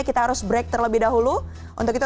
kita harus break terlebih dahulu untuk itu